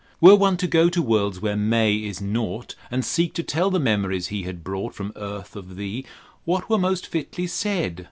Were one to go to worlds where May is naught, And seek to tell the memories he had brought From earth of thee, what were most fitly said?